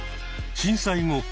震災後